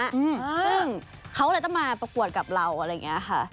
ซึ่งเขาเลยต้องมาประกวดกับเราอะไรอย่างนี้ค่ะ